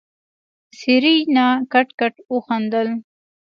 سېرېنا کټ کټ وخندل.